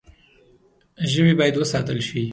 ژوی باید وساتل شي.